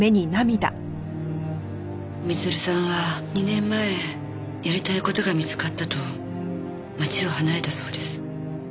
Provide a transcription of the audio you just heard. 光留さんは２年前やりたい事が見つかったと街を離れたそうです。